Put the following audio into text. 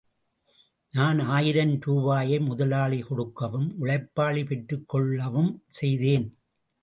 நான் ஆயிரம் ரூபாயை முதலாளி கொடுக்கவும், உழைப்பாளி பெற்றுக்கொள்ளவும் செய்தேன்.